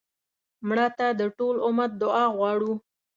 مړه ته د ټول امت دعا غواړو